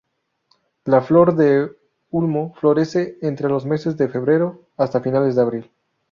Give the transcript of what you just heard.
La flor del ulmo florece entre los meses de febrero hasta fines de abril.